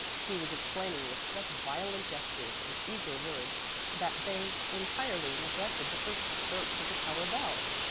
He was explaining with such violent gestures and eager words that they entirely neglected the first strokes of the tower bell.